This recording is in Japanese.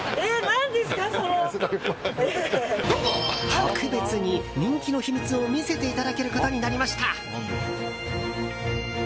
特別に、人気の秘密を見せていただけることになりました。